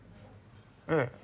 ええ。